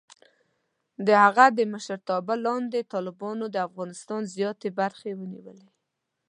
د هغه د مشرتابه لاندې، طالبانو د افغانستان زیاتې برخې ونیولې.